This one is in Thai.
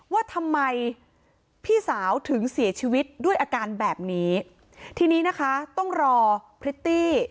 ว่าทำไมพี่สาวถึงเสียชีวิตด้วยอาการแบบนี้ทีนี้นะคะต้องรอพริตตี้